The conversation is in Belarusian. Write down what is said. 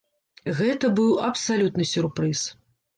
Гэта быў абсалютны сюрпрыз.